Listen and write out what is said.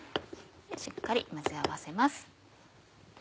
しっかり混ぜ合わせます。